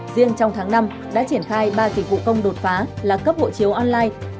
riêng trong tháng năm đã triển khai ba dịch vụ công đột phá là cấp hộ chiếu online